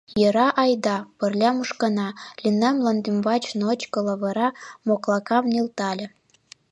— Йӧра айда, пырля мушкына, — Лена мландӱмбач ночко, лавыра моклакам нӧлтале.